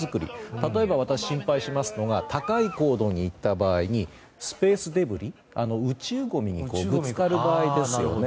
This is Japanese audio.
例えば私、心配しますのが高い高度に行った場合にスペースデブリ、宇宙ごみにぶつかる場合ですよね。